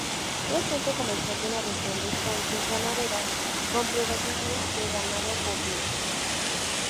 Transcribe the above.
Es centro comercial de una región de estancias ganaderas, con predominio de ganado bovino.